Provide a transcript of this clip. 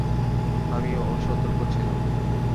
আমি অসতর্ক ছিলাম।